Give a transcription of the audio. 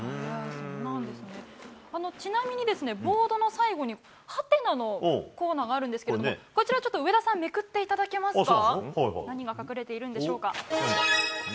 ちなみにボードの最後にハテナのコーナーがあるんですけれども、こちらちょっと上田さん、めくっていただけますか？